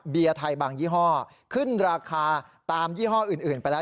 ไทยบางยี่ห้อขึ้นราคาตามยี่ห้ออื่นไปแล้ว